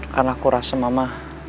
karena aku rasa mama